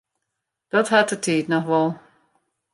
Dat hat de tiid noch wol.